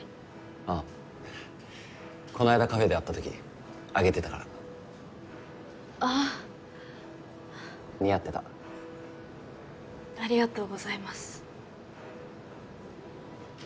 あっこの間カフェで会ったとき上げてたからああ似合ってたありがとうございます